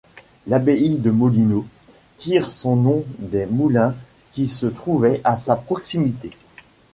L'abbaye des Moulineaux tire son nom des moulins qui se trouvaient à sa proximité.